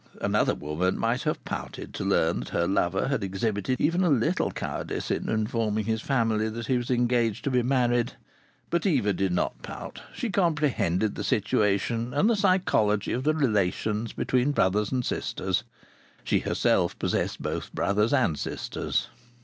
Another woman might have pouted to learn that her lover had exhibited even a little cowardice in informing his family that he was engaged to be married. But Eva did not pout. She comprehended the situation, and the psychology of the relations between brothers and sisters. (She herself possessed both brothers and sisters.)